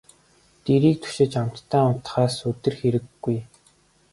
Дэрийг түшиж амттай унтахаас өдөр хэрэг үгүй.